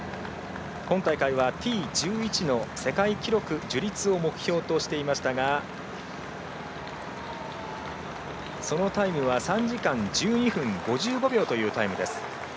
今大会はＴ１１の世界記録樹立を目標としていましたがそのタイムは３時間１２分５５秒というタイムです。